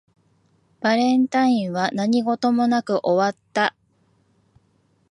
バレンタインは何事もなく終わった